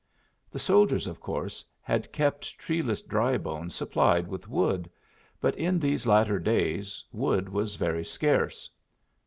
The soldiers, of course, had kept treeless Drybone supplied with wood. But in these latter days wood was very scarce.